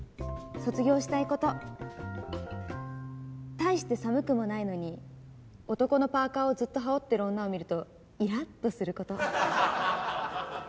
大して寒くもないのに男のパーカをずっと羽織ってる女を見るとイラッとする事。